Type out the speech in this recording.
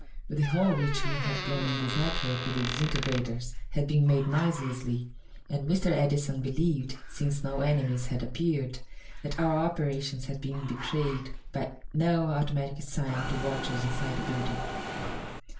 But the hole which we had blown in this network with the disintegrators had been made noiselessly, and Mr. Edison believed, since no enemies had appeared, that our operations had not been betrayed by any automatic signal to watchers inside the building.